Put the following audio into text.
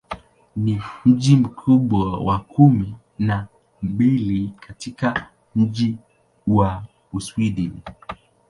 Ni mji mkubwa wa kumi na mbili katika nchi wa Uswidi.